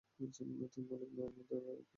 তুমি মালিক না তো, রাগা করার কি হইসে।